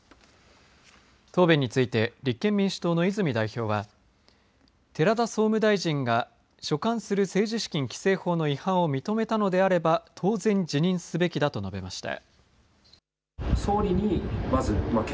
答弁について立憲民主党の泉代表は寺田総務大臣が所管する政治資金規正法の違反を認めたのであれば当然辞任すべきだと述べました。